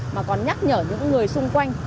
mà còn nhắc nhở những người xung quanh